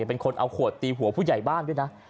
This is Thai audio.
เป็นคนเอาขวดตีหัวผู้ใหญ่บ้านด้วยนะ